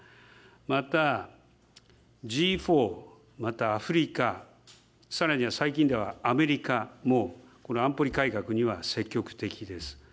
また、Ｇ４またアフリカ、さらには最近ではアメリカもこの安保理改革には積極的です。